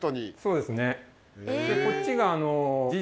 でこっちが。